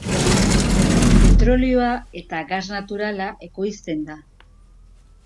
Petrolioa eta gas naturala ekoizten da.